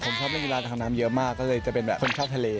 ผมชอบเล่นกีฬาทางน้ำเยอะมากก็เลยจะเป็นแบบคนชอบทะเล